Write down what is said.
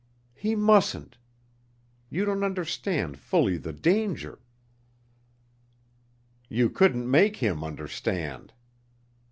"He mustn't. You don't understand fully the danger." "You couldn't make him understand."